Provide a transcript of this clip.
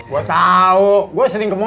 gua tau gua sering ke monas